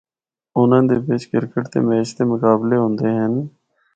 اُناں دے بچ کرکٹ دے میچ دے مقابلے ہوندے ہن۔